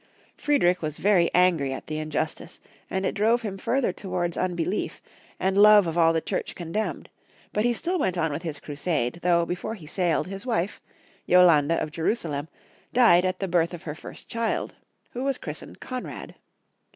Friedrich was very angry at the injus tice, and it drove him further towards unbelief, and love of all the Church condemned, but he still went on with his crusade, though, before he sailed, his wife, Yolande of Jerusalem, died at the birth of her first child, who vas christened Conrad.